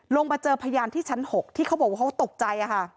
มาเจอพยานที่ชั้น๖ที่เขาบอกว่าเขาตกใจ